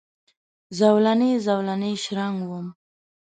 زولنې، زولنې شرنګ وم